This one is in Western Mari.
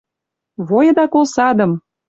Войыда колсадым